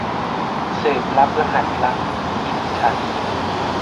สืบลับรหัสรัก - กิ่งฉัตร